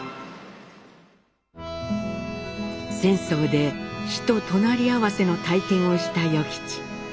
戦争で死と隣り合わせの体験をした与吉。